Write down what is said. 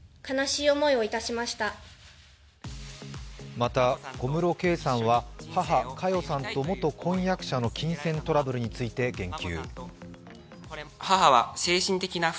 また、小室圭さんは母・佳代さんと元婚約者の金銭トラブルについて言及。